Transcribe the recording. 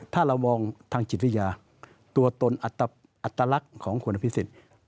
ถ้าเรามองทางจิตวิทยาตัวตนอัตลักษณ์ของคุณอภิษฎ